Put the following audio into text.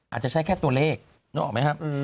อาจจะใช้แค่ตัวเลขนึกออกไหมครับ